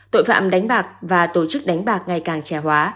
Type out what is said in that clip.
tội phạm đánh bạc và tổ chức đánh bạc ngày càng trẻ hóa